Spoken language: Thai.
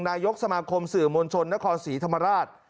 นายกสมาคมสื่อมวลชนนครศรีธรรมราช